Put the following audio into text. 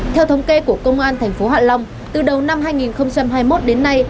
theo thống kê của công an tp hạ long từ đầu năm hai nghìn hai mươi một đến nay